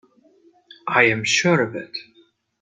I am sure of it.